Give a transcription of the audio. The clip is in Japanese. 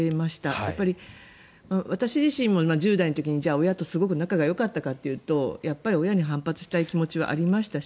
やっぱり私自身も１０代の時に親とすごく仲がよかったかというとやっぱり親に反発したい気持ちはありましたし。